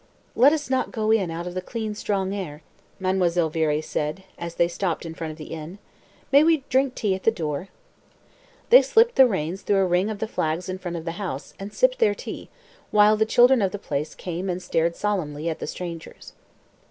"Let us not go in out of the clean, strong air," Mademoiselle Viré said, as they stopped in front of the inn. "May we drink tea at the door?" They slipped the reins through a ring in the flags in front of the house, and sipped their tea, while the children of the place came and stared solemnly at the strangers.